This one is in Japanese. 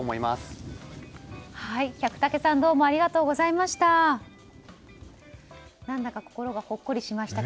百武さんどうもありがとうございました。